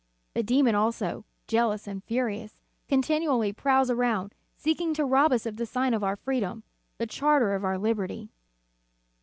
The demon also, jealous and furious, continually prowls around, seeking to rob us of the sign of our freedom, the charter of our liberty."